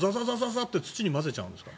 土に混ぜちゃうんですか？